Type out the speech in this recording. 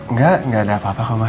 nggak gak ada apa apa kok anto tadi